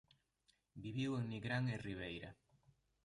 Viviu en Nigrán e Ribeira.